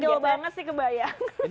itu jauh banget sih kebayang